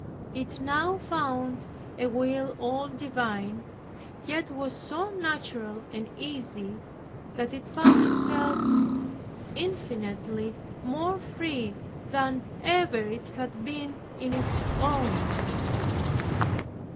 It now found a will all divine, yet was so natural and easy that it found itself infinitely more free than ever it had been in its own.